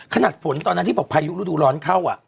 ขนาดฝนตอนนั้นที่พยุดล้วนร้อนเข้าอ่ะ